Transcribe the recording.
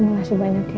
makasih banyak ya